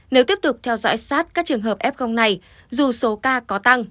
nếu tiếp tục theo dõi sát các trường hợp f này dù số ca có tăng